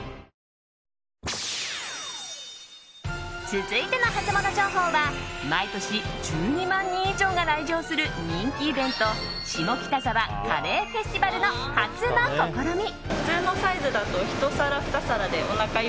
続いてのハツモノ情報は毎年、１２万人以上が来場する人気イベント下北沢カレーフェスティバルの初の試み。